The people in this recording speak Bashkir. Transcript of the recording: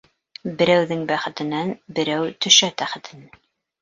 Берәүҙең бәхетенән берәү төшә тәхетенән.